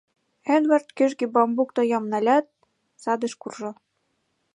Эдвард кӱжгӱ бамбук тоям налят, садыш куржо.